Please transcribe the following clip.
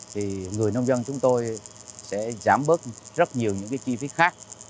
thì người nông dân chúng tôi sẽ giảm bớt rất nhiều những cái chi phí khác